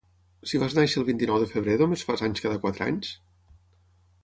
Si vas néixer el vint-i-nou de febrer només fas anys cada quatre anys?